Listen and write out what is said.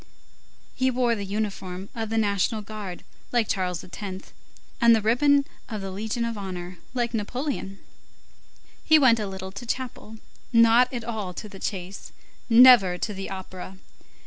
He wore the uniform of the national guard, like Charles X., and the ribbon of the Legion of Honor, like Napoleon. He went a little to chapel, not at all to the chase, never to the opera.